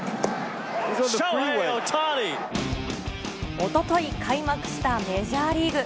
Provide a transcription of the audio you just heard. おととい開幕したメジャーリーグ。